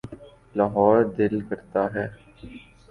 لاہور دل کرتا ہے۔